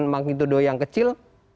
makin todo yang kecil